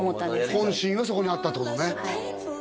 本心はそこにあったってことね